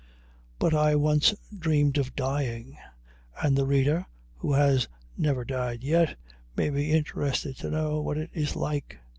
But I once dreamed of dying, and the reader, who has never died yet, may be interested to know what it is like.